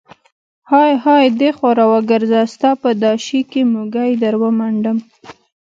های های دې خوا راوګرزه، ستا په دا شي کې موږی در ومنډم.